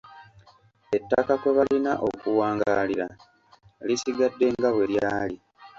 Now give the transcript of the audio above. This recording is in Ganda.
Ettaka kwe balina okuwangaalira lisigadde nga bwe lyali.